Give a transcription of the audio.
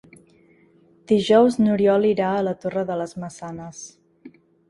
Dijous n'Oriol irà a la Torre de les Maçanes.